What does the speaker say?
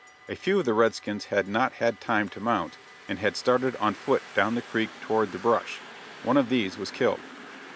A few of the red skins had not had time to mount and had started on foot down the creek toward the brush. One of these was killed.